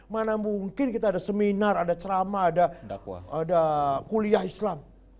mana mungkin kita ada seminar ada ceramah ada kuliah islam